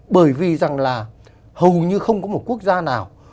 bởi vì rằng là hầu như không có một quốc gia nào